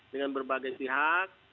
dengan berbagai pihak